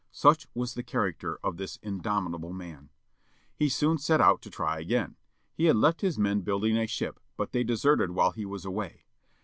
Such was the character of this indomitable man. He soon set out to try again. He had left his men building a ship, but they deserted while he was away.